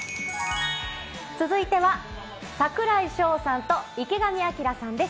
続いては、櫻井翔さんと池上彰さんです。